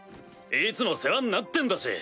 いつも世話んなってんだし。